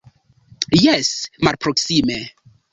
Jes, malproksime!